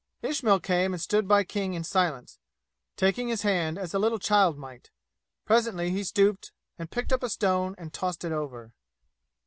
Ismail came and stood by King in silence, taking his hand, as a little child might. Presently he stooped and picked up a stone and tossed it over.